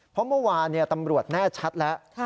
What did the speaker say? เพราะเมื่อวานตำรวจแน่ชัดแล้ว